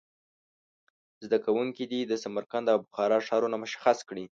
زده کوونکي دې سمرقند او بخارا ښارونه مشخص کړي.